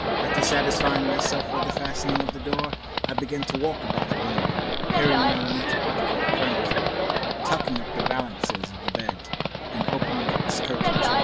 After satisfying myself of the fastening of the door, I began to walk round the room, peering round each article of furniture, tucking up the valances of the bed and opening its curtains wide.